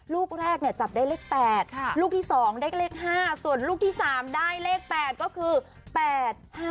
ลูกแรกเนี่ยจับได้เลข๘ลูกที่๒ได้เลข๕ส่วนลูกที่๓ได้เลข๘ก็คือ๘๕